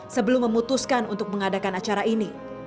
sebelum memutuskan untuk menganggap tempat ini sebagai simbol persatuan umat